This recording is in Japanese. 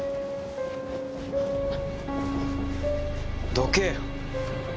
どけよ。